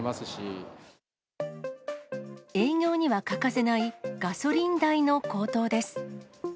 営業には欠かせないガソリン代の高騰です。